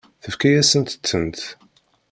Tefka-yasent-tent.